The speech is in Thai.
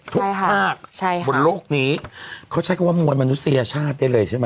ทุกภาพบนโลกนี้เขาใช้ว่ามนุษยชาติได้เลยใช่ไหม